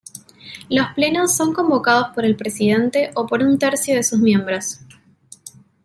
Los Plenos son convocados por el presidente o por un tercio de sus miembros.